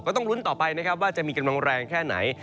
ต้องลุ้นต่อไปนะครับว่าจะมีกำลังแรงแค่ไหน